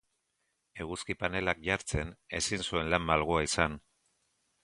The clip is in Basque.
Eguzki-panelak jartzen ezin zuen lan malgua izan.